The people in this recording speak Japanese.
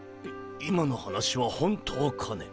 い今の話は本当かね？